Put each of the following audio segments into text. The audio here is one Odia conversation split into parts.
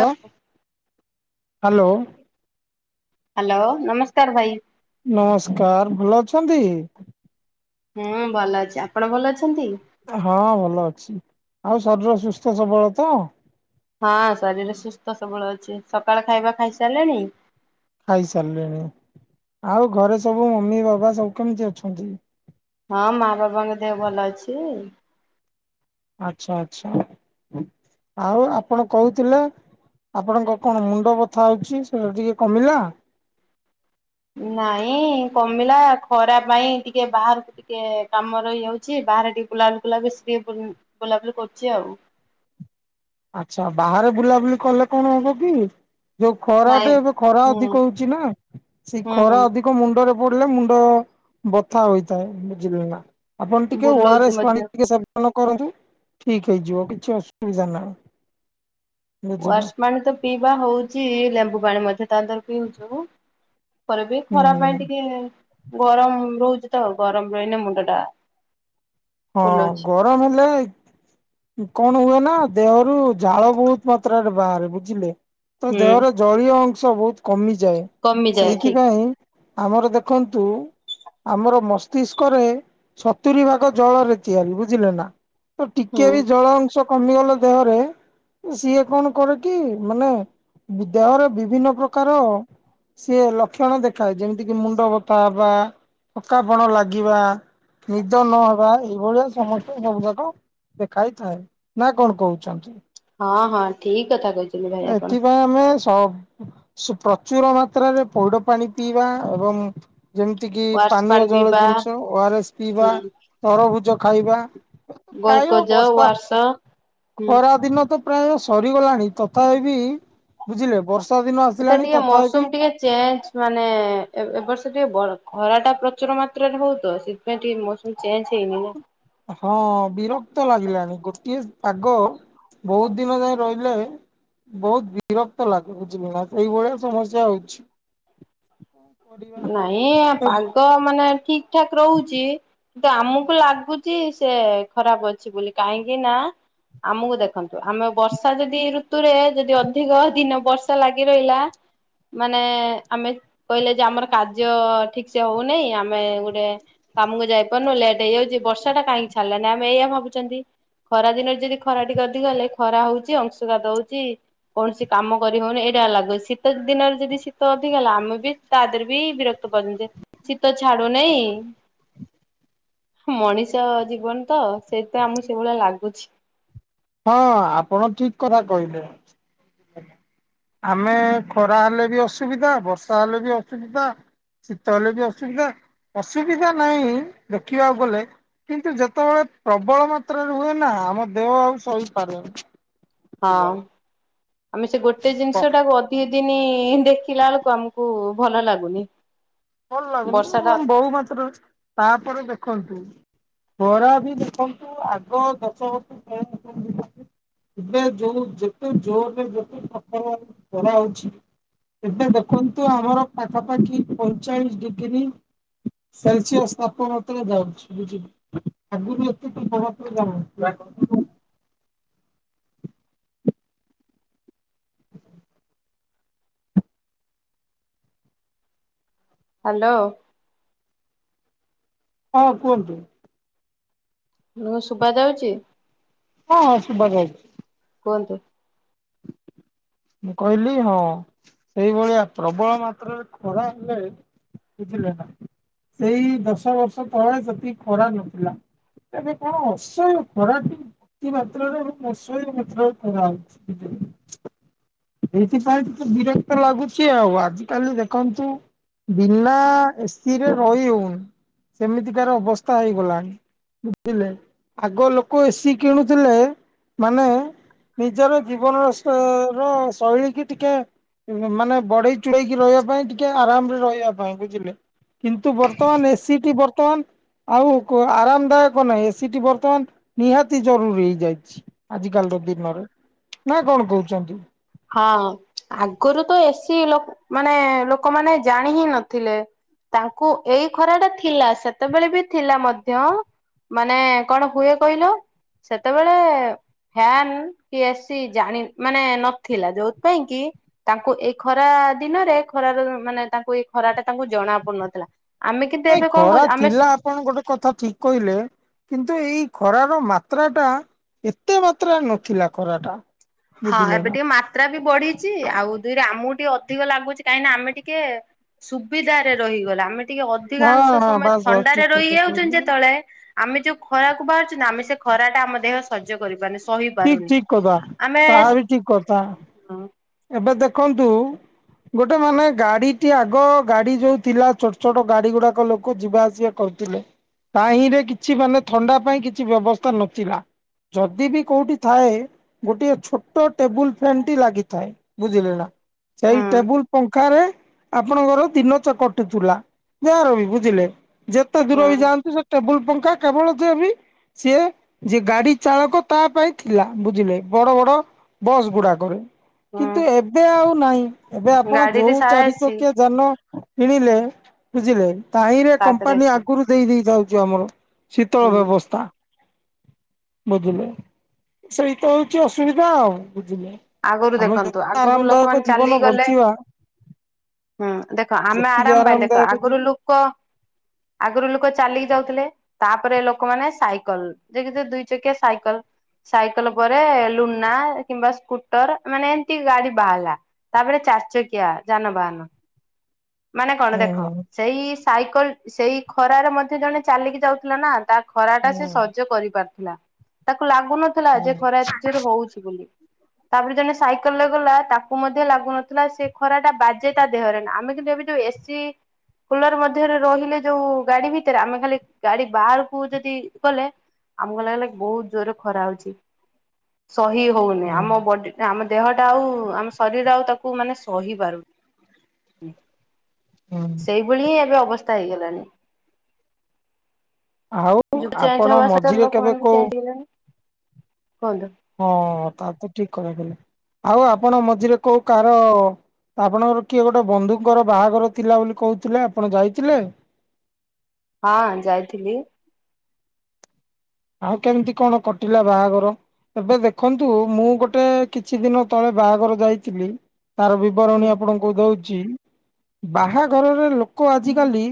ଓ, ହ୍ୟାଲୋ। ହ୍ୟାଲୋ। ନମସ୍କାର ଭାଇ। ନମସ୍କାର। ଭଲ ଅଛନ୍ତି? ହୁଁ ଭଲ ଅଛି। ଆପଣ ଭଲ ଅଛନ୍ତି? ହଁ ଭଲ ଅଛି। ଆଉ ଶରୀର ସୁସ୍ଥ ସବଳ ତ? ହଁ ଶରୀର ସୁସ୍ଥ ସବଳ ଅଛି। ସକାଳ ଖାଇବା ଖାଇସାରିଲେଣି? ଖାଇସାରିଲିଣି। ଆଉ ଘରେ ସବୁ ମମି, ବାବା ସବୁ କେମିତି ଅଛନ୍ତି? ହଁ ମା, ବାପାଙ୍କ ଦେହ ଭଲ ଅଛି। ଆଚ୍ଛା ଆଚ୍ଛା। ଆଉ ଆପଣ କହୁଥିଲେ? ଆପଣଙ୍କ ର କଣ ମୁଣ୍ଡ ବଥା ହଉଛି? ସେଇଟା ଟିକେ କମିଲା? ନାଇଁ କମିଲା। ଖରା ପାଇଁ ଟିକେ ବାହାରକୁ ଟିକେ କାମ ରହିଯାଉଛି। ବାହାରେ ଟିକେ ବୁଲାବୁଲି ବେଶି ଟିକେ ବୁଲାବୁଲି କରୁଛି ଆଉ। ଆଚ୍ଛା ବାହାରେ ବୁଲାବୁଲି କଲେ କଣ ହବ କି? ଯୋଉ ନାଇଁ ଖରାଟେ ଏବେ ଖରା ହୁଁ ଅଧିକ ହଉଛି ନା। ସେଇ ହୁଁ ଖରା ହୁଁ ଅଧିକ କ ମୁଣ୍ଡରେ ପଡିଲେ ମୁଣ୍ଡ ବଥା ହୋଇଥାଏ। ବୁଝିଲେ ନା? ଆପଣ ଟିକେ ଓ ଆର ବୁଲଉଛି ଏସ୍ ପାଣି ମଧ୍ୟ। ଟିକେ ସେବନ କରନ୍ତୁ ଠିକ ହେଇଯିବ। କିଛି ଅସୁବିଧା ନାହିଁ। ବୁଝିଲ ୱଆର୍ସ ପାଣି ତ ପିଇବା ହଉଛି। ଲେମ୍ବୁ ପାଣି ମଧ୍ୟ ତା ପିଉଛୁ। ପରେ ବି ଖରା ପାଇଁ ହୁଁ ଟିକେ ଗରମ ରହୁଛି ତ, ଗରମ ରହିଲେ ମୁଣ୍ଡ ଟା ହଁ ବୁଲଉଛି। ଗରମ ହେଲେ କଣ ହୁଏ ନା ଦେହରୁ ଝାଳ ବହୁତ ମାତ୍ରାରେ ବାହାରେ। ବୁଝିଲେ? ତ ହୁଁ ଦେହରେ ଜଳୀୟ ଅଂଶ ବହୁତ କମିଯାଏ। କମିଯାଏ ଠିକ୍ ସେଇଥିପାଇଁ ଆମର ଦେଖନ୍ତୁ ଆମର ମସ୍ତିଷ୍କରେ ସତୁରି ଭାଗ ଜଳରେ ତିଆରି ବୁଝିଲେ ନା ତ ହୁଁ ଟିକେ ବି ଜଳ ଅଂଶ କମିଗଲେ ଦେହରେ ସିଏ କଣ କରେ କି ମାନେ ଦେହରେ ବିଭିନ୍ନ ପ୍ରକାର ସିଏ ଲକ୍ଷ୍ୟଣ ଦେଖାଏ ଯେମିତି କିି ମୁଣ୍ଡ ବଥା ହବା [unintelligible] ପଣ ଲାଗିବା ନିଦ ନ [unintelligible] ଏଇ ଭଳିଆ ସମସ୍ତେ ସବୁ ଯାକ ଦେଖାଇଥାଏ ନା କଣ କହୁଛନ୍ତି? ହଁ-ହଁ ଠିକ୍ କଥା [unintelligible] ଏଥିପାଇଁ ଆମେ [unintelligible] ପ୍ରଚୁର ମାତ୍ରାରେ ପଇଡ ପାଣି ପିଇବା ଏବଂ ଯେମ୍ତି କିି ୱାର୍ସ ପାନୀୟ ପାଣି ଜଳ ପିଇବା ଜିନିଷ ଓଆର ଏସ୍ ପିଇବା ହୁଁ ତରଭୁଜ୍ ଖାଇବା ଖାଇବ ଗ୍ଲୁକୋଜ ବର୍ଷା ୱାର୍ସ ହୁଁ ଖରା ଦିନ ତ ପ୍ରାୟ ସରିଗଲାଣି ତଥାପି ବୁଝିଲେ ବ ଏତେ ଟିକେ ମୌସୁମ୍ ଟିକେ ଚେଞ୍ଜ ମାନେ ଏ ଏବର୍ଷ ଟିକେ ବ ଖରା ଟା ପ୍ରଚୁର ମାତ୍ରାରେ ହଉ ତ ସେଥିପାଇଁ ଟିକେ ମ [unintelligible] ଚେଞ୍ଚେ ହେଇନି ନା। ହଁ ବିରକ୍ତ ଲାଗିଲାଣି ଗୋଟିଏ ପାଗ ବହୁତ୍ ଦିନ ଯାଏ ରହିଲେ ବହୁତ୍ ବିରକ୍ତ ଲାଗେ ବୁଝିଲୁ ନା ସେଇଭଳିଆ ସମସ୍ୟା ହଉଚି। ନାଇଁ ଏ ପାଗ ମାନେ ଠିକ୍ ଠାକ୍ ରହୁଚି କିନ୍ତୁ ଆମକୁ ଲାଗୁଚି ସେ ଖରାପ୍ ଅଛି ବୋଲି କାହିଁକି ନା ଆମକୁ ଦେଖନ୍ତୁ ଆମେ ବର୍ଷା ଯଦି ଋତୁରେ ଯଦି ଅଧିକ ଦିନ ବର୍ଷା ଲାଗି ରହିଲା ମାନେ ଆମେ କହିଲେ ଯେ ଆମର କାର୍ଯ୍ୟ ଠିକ୍ ସେ ହଉନାହିଁ ଆମେ ଗୋଟେ କାମୁକୁ ଯାଇପାରୁନୁ ଲେଟ୍ ହେଇଯାଉଚି ବର୍ଷାଟା କାହିଁ ଛାଡିଲାଣି ଆମେ ଏଇଆ ଭାବୁଚନ୍ତି। ଖରା ଦିନରେ ଯଦି ଖରା ଟିକେ ଅଧିକ ହେଲେ ଖରା ହଉଚି ଅଂଶୁଘାତ ହଉଚି କୌଣସି କାମ କରି ହଉନି ଏଇଟା ଲାଗୁଚି ଶୀତ ଦିନରେ ଯଦି ଶୀତ ଅଧିକା ହେଲା ଆମେ ବି ତାଦେରିବି ବିରକ୍ତ କରୁଚେ ଶୀତ ଛାଡୁ [unintelligible] ମଣିଷ ଜୀବନ ତ ସେଇଥିପାଇଁ ଆମକୁ ସେଇଭଳିଆ ଲାଗୁଚି। ହଁ ଆପଣ ଠିକ୍ କଥା କହିଲେ। ଆମେ ଖରା ହେଲେ ବି ଅସୁବିଧା ବର୍ଷା ହେଲେ ବି ଅସୁବିଧା। ଶୀତ ହେଲେ ବି ଅସୁବିଧା-ଅସୁବିଧା ନାହିଁ ଦେଖିବାକୁ ଗଲେ କିନ୍ତୁ ଯେତବେଳେ ପ୍ରବଳ ମାତ୍ରାରେ ହୁଏ ନା ଆମ ଦେହ ଆଉ ସହିପାରେନି। ହଁ ଆମେ ସେ ଗୋଟେ କ ଜିନିଷ ଟାକୁ ଅ ଦିଇ ଦିନ ଦେଖିଲା ବେଳକୁ ଆମୁକୁ ଭଲ ଲାଗୁନି। ଭଲ ଲାଗୁନି ବର୍ଷା ଟା ଏବଂ ବହୁ ମାତ୍ର ତାପରେ ଦେଖନ୍ତୁ। ଖରା ବି ଦେଖନ୍ତୁ ଆଗ ଦଶ ବର୍ଷ [unintelligible] ଏବେ ଯୋଉ ଯେତେ ଜୋରରେ ଯେତେ [unintelligible] ଖରା ହଉଚି ଏବେ ଦେଖନ୍ତୁ ଆମର ପାଖାପାଖି ପଇଁଚାଳିସି ଡିଗ୍ରୀ ସେଲସିଅସ୍ ତାପମାତ୍ରା ଯାଉଛି [unintelligible] ଆଗୁରୁ ଏତିକି ତାପମାତ୍ରା [unintelligible] ହାଲୋ। ହଁ କୁହନ୍ତୁ। ହାଲୋ ଶୁଭଯାଉଚି। ହଁ-ହଁ ଶୁଭା [unintelligible] କୁହନ୍ତୁ। ମୁଁ କହିଲି ହଁ। ସେଇଭଳିଆ ପ୍ରବଳ ମାତ୍ରାରେ ଖରା ହେଲେ ବୁଝିଲେ ନାଁ। ସେଇ ଦଶ ବର୍ଷ ତଳେ ସେତିକି ଖରା ନଥିଲା। ଏବେ କଣ ଅସହ୍ୟ ଖରା ଯୋଗୁଁ କି ମାତ୍ରାରେ? ଅସହ୍ୟ ମାତ୍ରାରେ ଖରା ହଉଚି। ଏଇଥିପାଇଁ ତ ବିରକ୍ତ ଲାଗୁଚି ଆଉ ଆଜିକାଲି ଦେଖନ୍ତୁ ବିନା ଏସିରେ ରହି ହଉନି ସେମିତି ତାର ଅବସ୍ଥା ହେଇଗଲାଣି। ବୁଝିଲେ ଆଗ ଲୋକ ଏସିି କିଣୁଥିଲେ ମାନେ ନିଜର ଜୀବନର ସ ହଁ ଶୈଳୀ କି ଟିକେ ମାନେ ବଢ଼େଇ ଚୋଡ଼େଇକି ରହିବା ପାଇଁ ଟିକେ ଆରାମ ରେ ରହିବା ପାଇଁ ବୁଝିଲେ। କିନ୍ତୁ ବର୍ତ୍ତମାନ୍ ଏସିି ଟି ବର୍ତ୍ତମାନ୍ ଆଉ କୋଉଁ ଆରାମ ଦାୟକ ନାହିଁ। ଏସିି ଟି ବର୍ତ୍ତମାନ ନିହାତି ଜରୁରୀ ହେଇଯାଇଛି। ଆଜି କାଲି ର ଦିନରେ। ନାଁ କଣ କହୁଚନ୍ତି? ହଁ ଆଗରୁ ତ ଏସି ଲୋକ ମାନେ ଲୋକମାନେ ଜାଣି ହିଁ ନଥିଲେ। ତାଙ୍କୁ ଏଇ ଖରା ଟା ଥିଲା ସେତେବେଳେ ବି ଥିଲା ମଧ୍ୟ ମାନେ କଣ ହୁଏ କହିଲ? ସେତେବେଳେ ଫ୍ୟାନ୍ କି ଏସି ଜାଣି ମାନେ ନ ଥିଲା ଯଉଥିପାଇଁ କି ତାଙ୍କୁ ଏଇ ଖରା ଦିନରେ ଖରା ର ମାନେ ତାଙ୍କୁ ଏଇ ଖରା ଟା ତାଙ୍କୁ ଜଣା ପଡୁନଥିଲା। ଆମେ କିନ୍ତୁ ନାଇଁ ଏବେ କଣ ଖରା କହୁଚୁ ଆମେ ସ ଥିଲା ଆପଣ ଗୋଟେ କଥା ଠିକ କହିଲେ କିନ୍ତୁ ଏଇ ଖରାର ମାତ୍ରା ଟା ଏତେ ମାତ୍ରା ନଥିଲା ଖରାଟା। ହଁ ବୁଝିଲେ ଏବେ ନା ଟିକେ ମାତ୍ରା ବି ବଢ଼ିଛି ଆଉ ଦୁଇରେ ଆମକୁ ଟିକେ ଅଧିକ ଲାଗୁଛି କାହିଁକିନା ଆମେ ଟିକେ ସୁବିଧାରେ ରହିଗଲା ଆମେ ଟିକେ ହଁ ଅଧିକାଂଶ ହଁ ସମୟ ବାସ୍ ବାସ୍ ଥଣ୍ଡାରେ ଠିକ କଥା ରହିଯାଉଚନ୍ତି କହିଲେ ଯେତବେଳେ ଆମେ ଯୋଉଁ ଖରାକୁ ବାହାରୁଚୁ ନାଁ ଆମେ ସେ ଖରା ଟା ଆମ ଦେହ ସଜ୍ଜ କରିପାରୁନି ସହିପାରୁନି। କହିବେ ତାହା ବି ଠିକ୍ କଥା। ହଁ। ଏବେ ଦେଖନ୍ତୁ ଗୋଟେ ମାନେ ଗାଡି ଟି ଆଗ ଗାଡି ଯୋଉଁ ଥିଲା ଛୋଟ ଛୋଟ ଗାଡି ଗୁଡାକ ଲୋକ ଯିବା ଆସିବା କରୁଥିଲେ ତାହିଁରେ କିଛି ମାନେ ଥଣ୍ଡା ପାଇଁ କିଛି ବ୍ୟବସ୍ଥା ନଥିଲା। ଯଦି ବି କୋଉଁଠି ଥାଏ। ଗୋଟିଏ ଛୋଟ ଟେବୁଲ ଫ୍ୟାନ୍ ଟି ଲାଗି ଥାଏ। ବୁଝିଲେ ନାଁ ସେଇ ହୁଁ ଟେବୁଲ ପଙ୍ଖାରେ ଆପଣଙ୍କର ଦିନ ତ କଟୁଥୁଲା ଯାହା ବି ବୁଝିଲେ ଯେତେ ଦୂର ବି ଯାଆନ୍ତୁ ସେ ଟେବୁଲ ପଙ୍ଖା କେବଳ ସେ ବି ସିଏ ଯିଏ ଗାଡି ଚାଳକ ତା ପାଇଁ ଥିଲା। ବୁଝିଲେ ବଡ ବଡ ବସ୍ ଗୁଡା କରେ। କିନ୍ତୁ ହୁଁ ଏବେ ଆଉ ନାଇଁ ଏବେ ଆପଣ ଗାଡିରେ ଯୋଉଁ ସାରା ଚାରି ଏସି ଚକିଆ ଯାନ କିଣିଲେ ବୁଝିଲେ ତାହିଁରେ ତା ଦେହରେ କମ୍ପାନୀ ଏସି ଆଗରୁ ଦେଇ ଦେଇଥାଉଚି ଆମର ଶୀତଳ ହୁଁ ବ୍ୟବସ୍ଥା। ବୁଝିଲେ ସେଇତ ହଉଚି ଅସୁବିଧା ଆଉ ବୁଝିଲେ ଆଗରୁ ଆମେ ଦେଖନ୍ତୁ ଯେତେ ଆଗରୁ ଆରାମଦାୟକ ଲୋକମାନେ ଜୀବନ ଚାଲିକି ଗଲେ। ବଞ୍ଚିବା ହୁଁ। ଦେଖ ଆମେ ଯେତିକି ଆରାମ ପାଇଁ ଦେଖ ଆରାମଦାୟକ ଜୀବ ଆଗରୁ ଲୋକ ଆଗରୁ ଲୋକ ଚାଲିକି ଯାଉଥିଲେ। ତାପରେ ଲୋକମାନେ ସାଇକଲ ଦେଖିଚ ଦୁଇ ଚକିଆ ସାଇକଲ। ସାଇକଲ ପରେ ଏ ଲୁନା କିମ୍ବା ସ୍କୁ ତର ମାନେ ଏମତି ଗାଡି ବାହାରିଲା ତାପରେ ଚାରି ଚକିଆ ଯାନବାହାନ ମାନେ କଣ ହୁଁ ଦେଖ ସେଇ ସାଇକଲ ସେଇ ଖରାରେ ମଧ୍ୟ ଜଣେ ଚାଲିକି ଯାଉଥିଲା ନା ତା ଖରା ଟା ହୁଁ ସେ ହୁଁ ସଜ୍ଜ କରି ପାରିଥିଲା ତାକୁ ଲାଗୁନ ଥିଲା ହୁଁ ଯେ ଖରା ଏତେ ଯୋରେ ହଉଛି ବୋଲି। ତାପରେ ଜଣେ ସାଇକଲ ରେ ଗଲା ତାକୁ ମଧ୍ୟ ଲାଗୁନଥିଲା ସେ ଖରା ଟା ବାଜେ ତା ଦେହରେ ନା ଆମେ କିନ୍ତୁ ଯେବେଠୁ ଏସି କୁଲର ମଧ୍ୟରେ ରହିଲେ ଯୋଉ ଗାଡି ଭିତରେ ଆମେ ଖାଲି ଗାଡି ବାହାରକୁ ଯଦି ଗଲେ ଆମକୁ ଲାଗିଲାକି ବହୁତ ଜୋରରେ ଖରା ହଉଛି। ସହି ହଉନି ହୁଁ ଆମ ବଡିଟା ଆମ ଦେହଟା ଆଉ ଆମ ଶରୀର ଆଉ ତାକୁ ମାନେ ସହି ପାରୁନି। ହୁଁ ସେଇଭଳି ହିଁ ଏବେ ଅବସ୍ଥା ହେଇଗଲାଣି। ଆଉ ଯୋଉଠି ଚେଞ୍ଜ ଆପଣ ହବାକଥା ସେଠାର ମଝିରେ କେବେ ଲୋକମାନେ ବି କୋଉ ଚେଞ୍ଜ ହେଇଲେଣି। କୁହନ୍ତୁ। ହଁ ତା ତ ଠିକ୍ କହିଦେଲେ ଆଉ ଆପଣ ମଝିରେ କୋଉ କାହାର। ଆପଣଙ୍କର କିଏ ଗୋଟେ ବନ୍ଧୁଙ୍କର ବାହାଘର ଥିଲା ବୋଲି କହୁଥିଲେ ଆପଣ ଯାଇଥିଲେ। ହଁ ଯାଇଥିଲି। ଆଉ କେମିତି କଣ କଟିଲା ବାହାଘର। ଏବେ ଦେଖନ୍ତୁ ମୁଁ ଗୋଟେ କିଛି ଦିନ ତଳେ ବାହାଘର ଯାଇଥିଲି ତାର ବି ବିବରଣୀ ଆପଣଙ୍କୁ ଦଉଛି ବାହାଘରରେ ଲୋକ ଆଜିକାଲି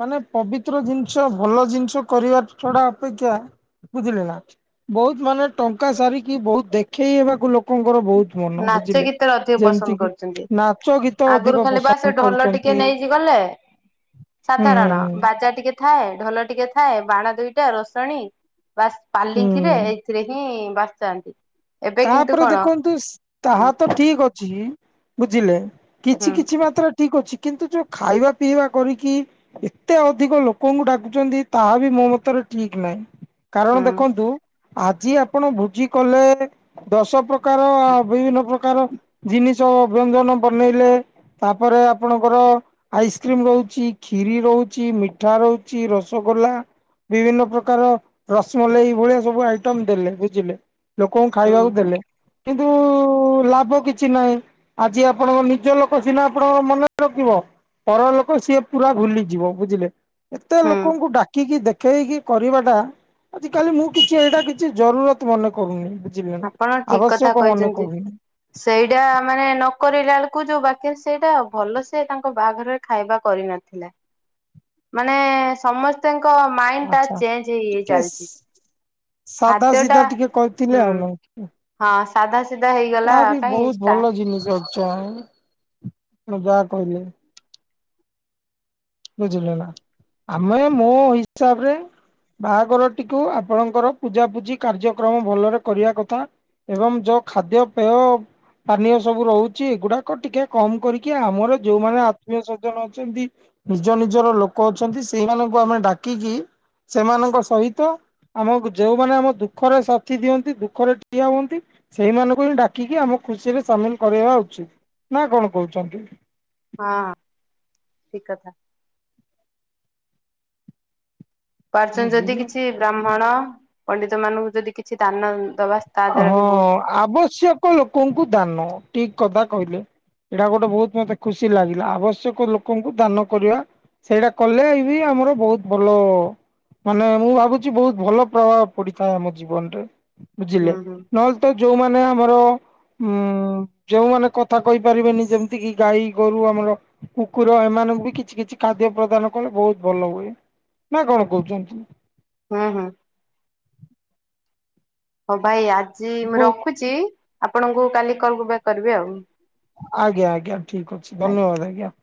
ମାନେ ପବିତ୍ର ଜିନିଷ ଭଲ ଜିନିଷ କରିବା ଛଡା ଅପେକ୍ଷା ବୁଝିଲେ ନା ବହୁତ ମାନେ ଟଙ୍କା ସାରିକି ବହୁତ ଦେଖେଇ ହେବାକୁ ଲୋକଙ୍କର ବହୁତ ମନ ନାଚ ବୁଝିଲେ ଗୀତରେ ଅଧିକ ଯେମିତି ପସନ୍ଦ କି କରୁଛନ୍ତି ନାଚ ଗୀତ ଆଗରୁ ଅଧିକ ଖାଲି ବା ସେ ପସନ୍ଦ ଢୋଲ କରୁଛନ୍ତି। ଟିକେ ନେଇକି ଗଲେ ହୁଁ ସାଧାରଣ ବାଜା ଟିକେ ଥାଏ ଢୋଲ ଟିକେ ଥାଏ ବାଣ ଦୁଇଟା ରୋସଣୀ ବାସ୍ ହୁଁ ପାଲିଙ୍କି ରେ ହୁଁ ସେଥିରେ ହିଁ। [unintelligible] ଏବେ କିନ୍ତୁ ତାପରେ କଣ ଦେଖନ୍ତୁ ହୁଁ ତାହା ତ ଠିକ୍ ଅଛି ବୁଝିଲେ ହୁଁ କିଛି କିଛି ମାତ୍ରା ଠିକ୍ ଅଛି କିନ୍ତୁ ଯୋଉ ଖାଇବା ପିଇବା କରିକି ଏତେ ଅଧିକ ଲୋକଙ୍କୁ ଡାକୁଛନ୍ତି ତାହା ବି ମୋ ମତରେ ଠିକ୍ ନାହିଁ ହୁଁ କାରଣ ଦେଖନ୍ତୁ ଆଜି ଆପଣ ଭୋଜି କଲେ। ଦଶ ପ୍ରକାର ବିଭିନ୍ନ ପ୍ରକାର ଜିନିଷ ବ୍ୟଞ୍ଜନ ବନେଇଲେ। ତାପରେ ଆପଣଙ୍କର ଆଇସ୍କ୍ରିମ ରହୁଛି ଖିରି ରହୁଛି ମିଠା ରହୁଛି ରସଗୋଲା ବିଭିନ୍ନ ପ୍ରକାର ରସମଲେଇ ଭଳିଆ ସବୁ ଆଇଟମ୍ ଦେଲେ ବୁଝିଲେ ଲୋକଙ୍କୁ ଖାଇବାକୁ ହୁଁ ଦେଲେ କିନ୍ତୁ ଲାଭ କିଛି ନାହିଁ। ଆଜି ଆପଣଙ୍କ ନିଜ ଲୋକ ସିନା ଆପଣଙ୍କୁ ମନରେ ରଖିବ। ପରଲୋକ ସିଏ ପୁରା ଭୁଲିଯିବ ବୁଝିଲେ ଏତେ ହୁଁ ଲୋକଙ୍କୁ ଡାକିକି ଦେଖ ଦେଖେଇକି କରିବାଟା ଆଜି କାଲି ମୁଁ କିଛି ଏଇଟା କିଛି ଜରୁରତ ମନେ କରୁନି ବୁଝିଲେନା ଆପଣ ଠିକ କଥା ଆବଶ୍ୟକ ମନେ କହିଛନ୍ତି। କରୁନି। ସେଇଟା ମାନେ ନକରିଲା ବେଳକୁ ଯୋଉ ବାକି ସେଇଟା ଭଲ ସେ ତାଙ୍କ ବାହାଘରରେ ଖାଇବା କରିନଥିଲେ। ମାନେ ସମସ୍ତଙ୍କ ମାଇଣ୍ଡ ଟା ଆଚ୍ଛା ଚେଞ୍ଜ ହେଇ ଟିକେ ଚାଲିଛି। ସାଧା ଖାଦ୍ୟ ଟା ସିଧା ଟିକେ ହୁଁ କରିଥିଲେ ଆଉ ହଁ ସାଧା ସିଧା ହେଇଗଲା। ତାହା ବି କାଇଁ ବହୁତ ଇଷ୍ଟା ଭଲ ଜିନିଷ ଅଛି ଆପଣ ଯାହା କହିଲେ। ବୁଝିଲେ ନା ଆମେ ମୋ ହିସାବରେ ବାହାଘରଟିକୁ ଆପଣଙ୍କର ପୂଜାପୂଜି କାର୍ଯ୍ୟକ୍ରମ ଭଲରେ କରିବା କଥା। ଏବଂ ଯୋଉ ଖାଦ୍ୟପେୟ ପାନୀୟ ସବୁ ରହୁଚି ଏଗୁଡାକ ଟିକେ କମ କରିକି ଆମର ଯୋଉମାନେ ଆତ୍ମୀୟ ସଜ୍ଜନ ଅଛନ୍ତି। ନିଜ ନିଜର ଲୋକ ଅଛନ୍ତି ସେଇମାନଙ୍କୁ ଆମେ ଡାକିକି ସେମାନଙ୍କ ସହିତ ଆମକୁ ଯୋଉମାନେ ଆମ ଦୁଃଖରେ ସଥି ଦିଅନ୍ତି ଦୁଃଖରେ ଠିଆ ହୁଅନ୍ତି ସେଇମାନଙ୍କୁ ହିଁ ଡାକିକି ଆମ ଖୁସି ରେ ସାମିଲ କରିବା ଉଚିତ୍ ନା କଣ କହୁଛନ୍ତି? ହଁ ଠିକ୍ କଥା। ପାରୁଛନ୍ତି ଯଦି କିଛି ବ୍ରାହ୍ମଣ ପଣ୍ଡିତ ମାନଙ୍କୁ ଯଦି କିଛି ଦାନ ଦବା ତା ଦ୍ଵାରା ହଁ ବି ବହୁତ ଆବଶ୍ୟକ ଲୋକଙ୍କୁ ଦାନ ଠିକ୍ କଥା କହିଲେ। ଏଇଟା ଗୋଟେ ବହୁତ ମତେ ଖୁସି ଲାଗିଲା ଆବଶ୍ୟକ ଲୋକଙ୍କୁ ଦାନ କରିବା। ସେଇରା କଲେ ଇଭି ଆମର ବହୁତ ଭଲ ହବ। ମାନେ ମୁଁ ଭାବୁଚି ବହୁତ ଭଲ ପ୍ରଭାବ ପଡିଥାଏ ଆମ ଜୀବନରେ। ବୁଝିଲେ ହୁଁ ହୁଁ ନହେଲେ ତ ଯୋଉମାନେ ଆମର ମୁଁ ଯୋଉମାନେ କଥା କହିପାରିବେନି ଯେମିତି କିି ଗାଈ, ଗୋରୁ ଆମର କୁକୁର ଏମାନଙ୍କୁ ବି କିଛି କିଛି ଖାଦ୍ୟ ପ୍ରଦାନ କଲେ ବହୁତ ଭଲ ହୁଏ ନା କଣ କହୁଚନ୍ତି? ହୁଁ ହୁଁ। ହଁ ଭାଇ ଆଜି ମୁଁ ବହୁତ ରଖୁଛଚି ଆପଣଙ୍କୁ କାଲି କଲ ବ୍ୟାକ୍ କରିବି ଆଉ। ଆଜ୍ଞା ଆଜ୍ଞା ଠିକ ଅଛି ଆଜ୍ଞା। ଧନ୍ୟବାଦ ଆଜ୍ଞା।